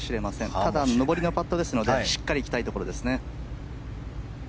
ただ上りのパットですのでしっかりと行きたいところですね。